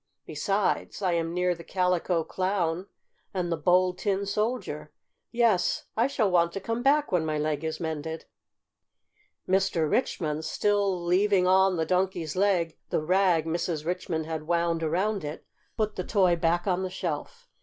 Besides, I am near the Calico Clown and the Bold Tin Soldier. Yes, I shall want to come back when my leg is mended." Mr. Richmond, still leaving on the Donkey's leg the rag Mrs. Richmond had wound around it, put the toy back on the shelf.